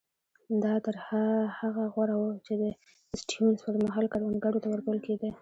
دا تر هغه غوره وو چې د سټیونز پر مهال کروندګرو ته ورکول کېدل.